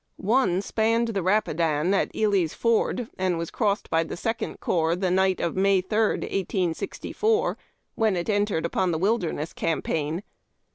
One spanned the Rapidan at Ely's Ford, and was crossed by the Second Corps the night of May 3, 1864, when it en tered upon the Wilderness campaign.